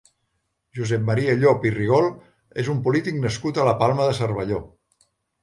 Josep Maria Llop i Rigol és un polític nascut a la Palma de Cervelló.